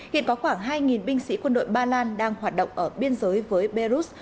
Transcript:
hiện có khoảng hai binh sĩ quân đội ba lan đang hoạt động ở biên giới với beirut